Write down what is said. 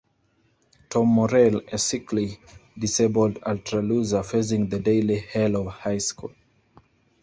Tom Morell, a sickly, disabled, ultra-loser facing the daily hell of high school.